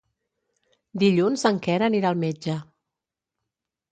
Dilluns en Quer anirà al metge.